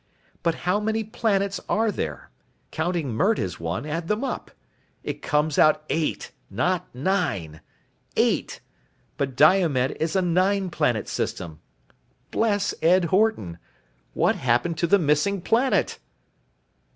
But how many planets are there? Counting Mert as one, add them up. It comes out eight. Not nine. Eight. But Diomed is a nine planet system. Bless Ed Horton. What happened to the missing planet?"